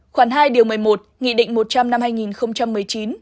khoảng hai điều một mươi một nghị định một trăm linh năm hai nghìn một mươi chín